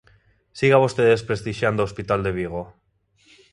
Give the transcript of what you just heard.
Siga vostede desprestixiando o hospital de Vigo.